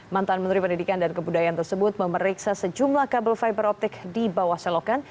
mantan menurut pendidikan dan kebudayaan tersebut memeriksa sejumlah kabel fiber optik di bawah selokan